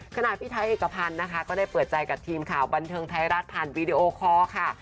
ขณะพี่ไทยเอกพันธ์นะคะก็ได้เปิดใจกับทีมข่าวบันเทิงไทยรัฐผ่านวีดีโอคอร์ค่ะ